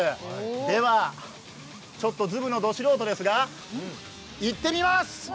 では、ちょっとズブのド素人ですが行ってみます！